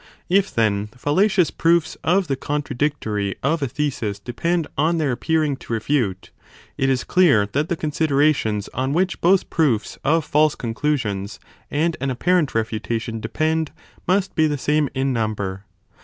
If then, fallacious proofs of the contradictory of a thesis depend on their appearing to refute, it is clear that the considerations on which both proofs of false conclusions and an apparent refutation depend must be the same in 4 o number.